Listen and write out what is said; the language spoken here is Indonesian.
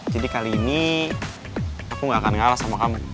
jadi kali ini aku gak akan ngalah sama kamu